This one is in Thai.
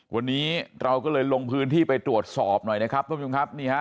วันนี้เราก็เลยลงพื้นที่ไปตรวจสอบหน่อยนะครับท่านผู้ชมครับนี่ฮะ